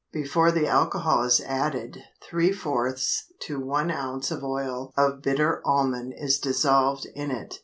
Before the alcohol is added three fourths to one ounce of oil of bitter almond is dissolved in it.